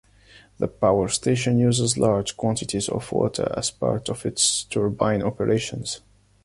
The power station uses large quantities of water as part of its turbine operations.